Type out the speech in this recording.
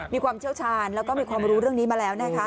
มีความเชี่ยวชาญแล้วก็มีความรู้เรื่องนี้มาแล้วนะคะ